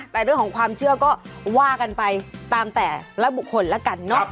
แต่เรื่องของความเชื่อก็ว่ากันไปตามแต่ละบุคคลแล้วกันเนอะ